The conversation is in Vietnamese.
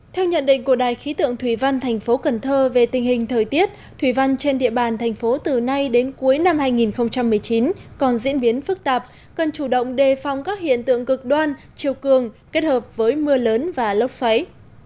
theo nhận định của đài khí tượng thủy văn thành phố cần thơ về tình hình thời tiết thủy văn trên địa bàn thành phố từ nay đến cuối năm hai nghìn một mươi chín còn diễn biến phức tạp cần chủ động đề phong các hiện tượng cực đoan chiều cường kết hợp với mưa lớn và lốc xoáy